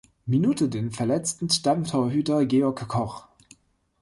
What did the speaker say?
Minute den verletzten Stammtorhüter Georg Koch.